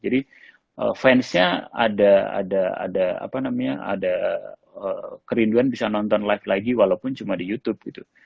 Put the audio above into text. jadi fansnya ada ada ada apa namanya ada kerinduan bisa nonton live lagi walaupun cuma di youtube gitu